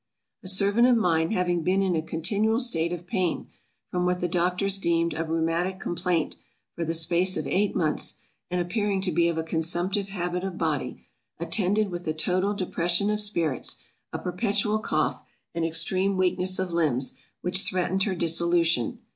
A Servant of mine having been in a continual state of pain, from what the doctors deemed a rheumatic complaint, for the space of eight months, and appearing to be of a consumptive habit of body, attended with a total depression of spirits, a perpetual cough, and extreme weakness of limbs; which threatened her dissolution.